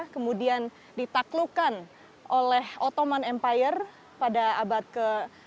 kemudian ditaklukkan oleh ottoman empire pada abad ke tujuh belas